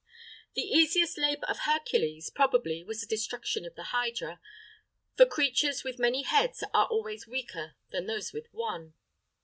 The easiest labor of Hercules, probably, was the destruction of the hydra; for creatures with many heads are always weaker than those with one.